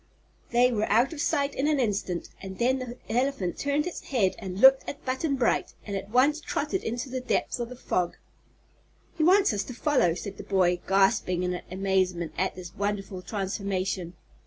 They were out of sight in an instant, and then the elephant turned its head and looked at Button Bright and at once trotted into the depths of the fog. "He wants us to follow," said the boy, gasping in amazement at this wonderful transformation.